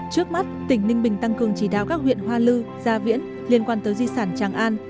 trước mắt tỉnh ninh bình tăng cường chỉ đạo các huyện hoa lư gia viễn liên quan tới di sản tràng an